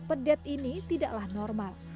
pedet ini tidaklah normal